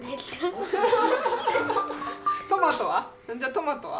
トマトは？